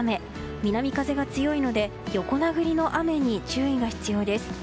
南風が強いので横殴りの雨に注意が必要です。